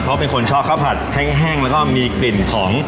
เพราะเป็นคนชอบข้าวผัดแห้งแล้วก็มีกลิ่นของ